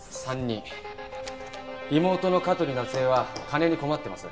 妹の香取夏江は金に困ってます。